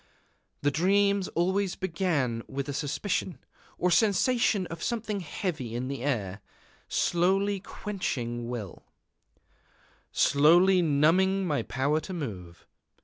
The dreams always began with a suspicion, or sensation of something heavy in the air, slowly quenching will, slowly numbing my power to move.